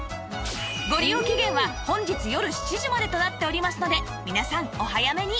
ご利用期限は本日よる７時までとなっておりますので皆さんお早めに